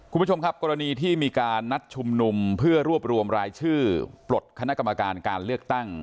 คุณผู้ชมครับกรณีที่มีการนัดชุมนุมเพื่อรวบรวมรายชื่อปลดคณะกรรมการการเลือกตั้ง